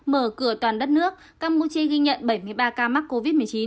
mở cửa toàn đất nước campuchia ghi nhận bảy mươi ba ca mắc covid một mươi chín